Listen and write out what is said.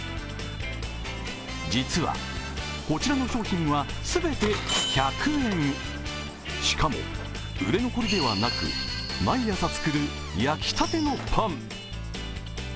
実は、こちらの商品は全て１００円しかも売れ残りではなく、毎朝作る焼きたてのパン。